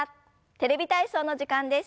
「テレビ体操」の時間です。